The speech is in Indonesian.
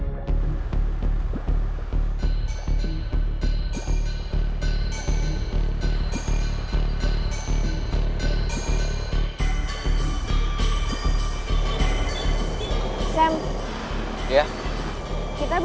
mendingan dibuat ayo